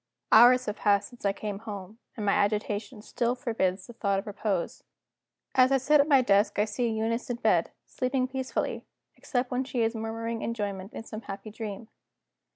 Hours have passed since I came home and my agitation still forbids the thought of repose. As I sit at my desk I see Eunice in bed, sleeping peacefully, except when she is murmuring enjoyment in some happy dream.